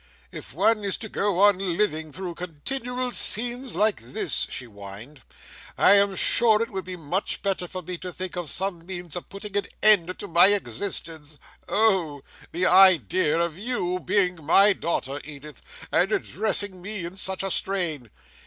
"If one is to go on living through continual scenes like this," she whined, "I am sure it would be much better for me to think of some means of putting an end to my existence. Oh! The idea of your being my daughter, Edith, and addressing me in such a strain!"